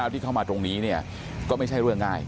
ที่เข้ามาตรงนี้ก็ไม่ใช่เรื่องง่าย